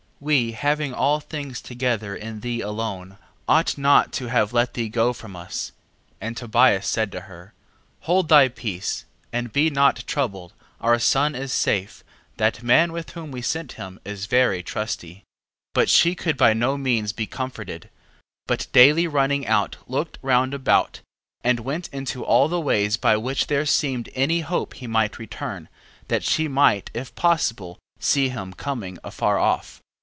10:5. We having all things together in thee alone, ought not to have let thee go from us. 10:6. And Tobias said to her: Hold thy peace, and be not troubled, our son is safe: that man with whom we sent him is very trusty. 10:7. But she could by no means be comforted, but daily running out looked round about, and went into all the ways by which there seemed any hope he might return, that she might if possible see him coming afar off.